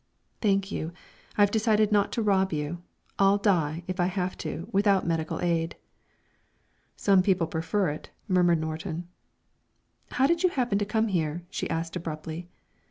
"Thank you, I've decided not to rob you. I'll die, if I have to, without medical aid." "Some people prefer it," murmured Norton. "How did you happen to come here?" she asked abruptly.